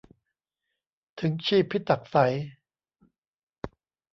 ถึงชีพิตักษัย